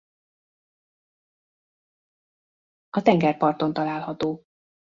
A tengerparton található.